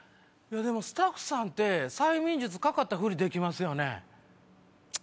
でもスタッフさんって催眠術かかったふりできますよね。